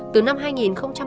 trại giam ngọc lý được thành lập